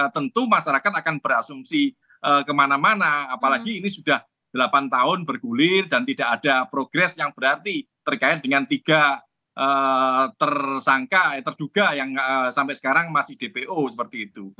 tentu masyarakat akan berasumsi kemana mana apalagi ini sudah delapan tahun bergulir dan tidak ada progres yang berarti terkait dengan tiga tersangka eh terduga yang sampai sekarang masih dpo seperti itu